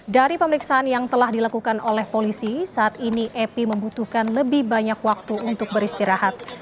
dari pemeriksaan yang telah dilakukan oleh polisi saat ini epi membutuhkan lebih banyak waktu untuk beristirahat